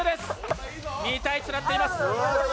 ２−１となっております。